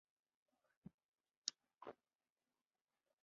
哈尚丘奇格是位于美国亚利桑那州皮马县的一个非建制地区。